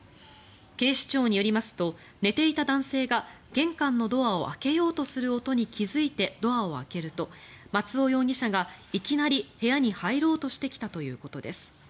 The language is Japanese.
警視庁によりますと寝ていた男性が玄関のドアを開けようとする音に気付いてドアを開けると松尾容疑者がいきなり部屋に入ろうとしてきたということです。